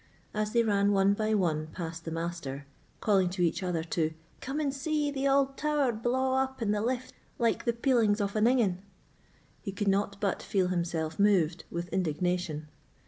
As they ran one by one past the Master, calling to each other to "Come and see the auld tower blaw up in the lift like the peelings of an ingan," he could not but feel himself moved with indignation.